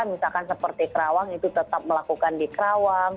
misalkan seperti kerawang itu tetap melakukan di kerawang